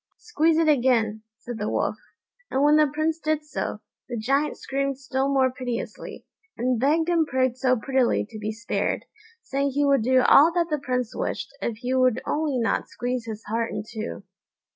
"Squeeze it again," said the Wolf; and when the Prince did so, the Giant screamed still more piteously, and begged and prayed so prettily to be spared, saying he would do all that the Prince wished if he would only not squeeze his heart in two.